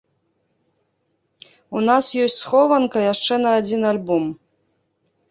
У нас ёсць схованка яшчэ на адзін альбом.